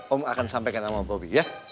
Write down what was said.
om akan sampaikan sama bobi ya